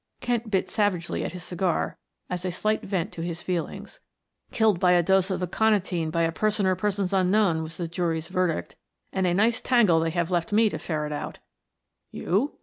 Kent bit savagely at his cigar as a slight vent to his feelings. "'Killed by a dose of aconitine by a person or persons unknown,' was the jury's verdict, and a nice tangle they have left me to ferret out.'' "You?"